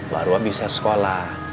baru abisnya sekolah